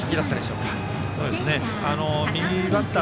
右バッター